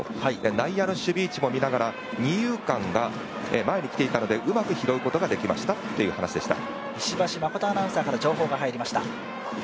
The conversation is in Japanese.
内野の守備位置も見ながら二遊間が前に来ていたので、上手く拾うことができましたという話でした。